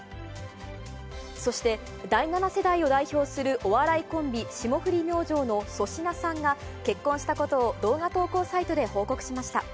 そして、第７世代を代表するお笑いコンビ、霜降り明星の粗品さんが、結婚したことを動画投稿サイトで報告しました。